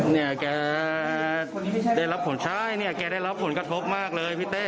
เนี่ยแกได้รับผลใช่เนี่ยแกได้รับผลกระทบมากเลยพี่เต้